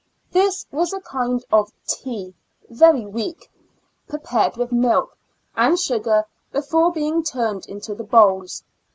This was a kind of tea, very weak, prepared with milk and sugar before being turned into the bowls.